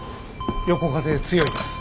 横風強いです。